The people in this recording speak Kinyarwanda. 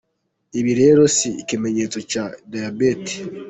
Ibi rero si ikimenyetso cya diabète.